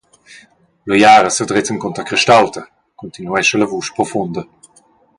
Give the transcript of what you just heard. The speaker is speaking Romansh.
«L’uiara sedrezza encunter Crestaulta», cuntinuescha la vusch profunda.